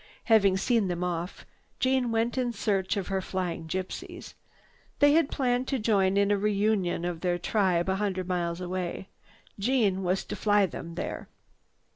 Having seen them off, Jeanne went in search of her flying gypsies. They had planned to join in a reunion of their tribe a hundred miles away. Jeanne was to fly them there.